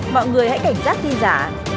mọi người hãy cảnh giác thi giả